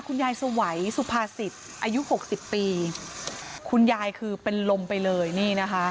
คุณยายสวัยสุภาษิตอายุหกสิบปีคุณยายคือเป็นลมไปเลยนี่นะคะ